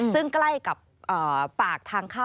สวัสดีค่ะสวัสดีค่ะ